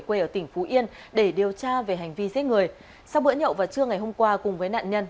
quê ở tỉnh phú yên để điều tra về hành vi giết người sau bữa nhậu vào trưa ngày hôm qua cùng với nạn nhân